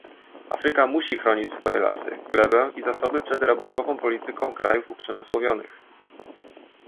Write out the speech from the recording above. Afryka musi chronić swoje lasy, glebę i zasoby przed rabunkową polityką krajów uprzemysłowionych